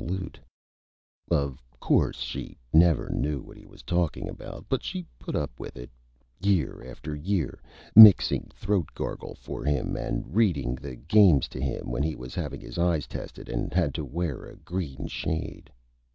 [Illustration: THE FAN] Of course she never knew what he was Talking about, but she put up with it, Year after Year, mixing Throat Gargle for him and reading the Games to him when he was having his Eyes tested and had to wear a Green Shade.